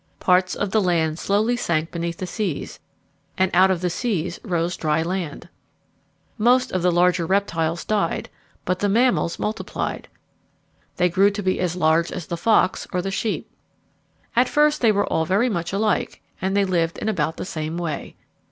Parts of the land slowly sank beneath the seas, and out of the seas rose dry land. Most of the larger reptiles died, but the mammals multiplied. They grew to be as large as the fox or the sheep. At first they were all very much alike and they lived in about the same way.